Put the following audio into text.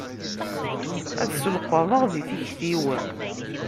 Ad selqaḍeɣ di tikti-w.